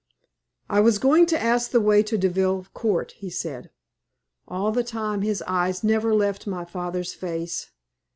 "I was going to ask the way to Deville Court," he said. All the time his eyes never left my father's face.